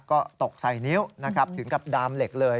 ก็ตกใส่นิ้วนะครับถึงกับดามเหล็กเลย